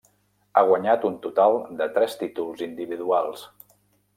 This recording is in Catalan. Ha guanyat un total de tres títols individuals.